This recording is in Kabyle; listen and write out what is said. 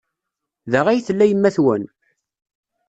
Da ay tella yemma-twen?